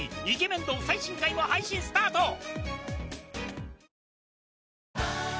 『イケメン道』最新回も配信スタート